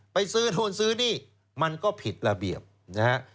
ไปซื้อนู่นซื้อนี่มันก็ผิดระเบียบนะฮะ